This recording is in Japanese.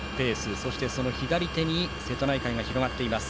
そして、左手に瀬戸内海が広がっています。